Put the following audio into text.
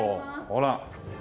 ほら。